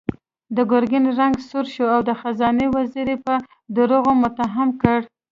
د ګرګين رنګ سور شو او د خزانې وزير يې په دروغو متهم کړ.